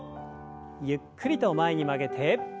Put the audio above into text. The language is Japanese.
ゆっくりと前に曲げて。